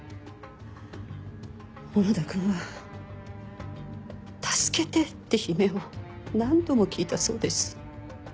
小野田君は「助けて」って悲鳴を何度も聞いたそうです。